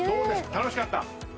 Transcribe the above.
楽しかった。